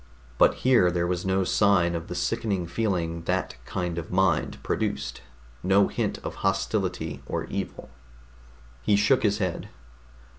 But here there was no sign of the sickening feeling that kind of mind produced, no hint of hostility or evil. He shook his head.